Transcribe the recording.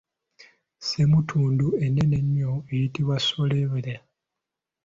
Ssemutundu ennene ennyo eyitibwa Solobera.